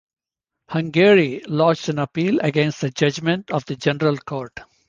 Hungary lodged an appeal against the judgement of the General Court.